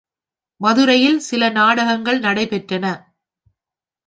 மதுரையில் சில நாடகங்கள் நடைபெற்றன.